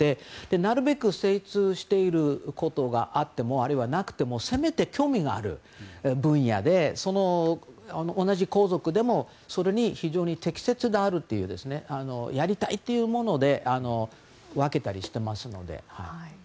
なるべく精通していることがあっても、あるいはなくてもせめて興味がある分野で同じ皇族でもそれに非常に適切であるというやりたいというもので分けたりしていますので。